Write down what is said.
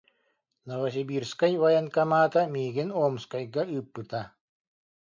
Новосибирскай Военкомата миигин Омскайга ыыппыта.